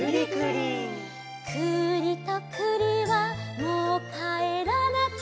「くりとくりはもうかえらなきゃ」